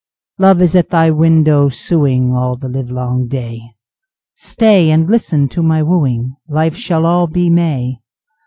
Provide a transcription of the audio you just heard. Love is at thy window suing, All the live long day, Stay and listen to my wooing, Life shall all be May.